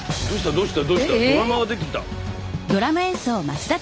どうした？